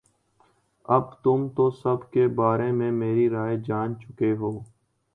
اب تم تو سب کے بارے میں میری رائے جان چکے ہو